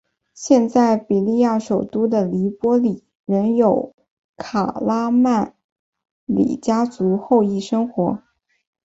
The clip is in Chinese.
现在利比亚首都的黎波里仍有卡拉曼里家族后裔生活。